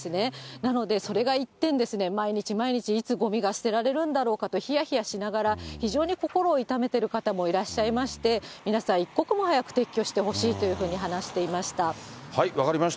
なのでそれが一転、毎日毎日、いつごみが捨てられるんだろうかと、ひやひやしながら、非常に心を痛めている方もいらっしゃいまして、皆さん、一刻も早く撤去してほしいというふうに話していました。